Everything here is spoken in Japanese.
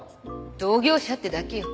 同業者ってだけよ。